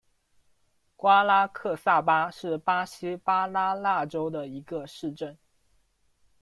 瓜拉克萨巴是巴西巴拉那州的一个市镇。